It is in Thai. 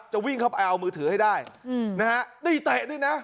วิ่งเข้าไปเอามือถือให้ได้นะฮะนี่เตะด้วยนะ